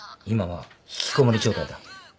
今は引きこもり状態だ。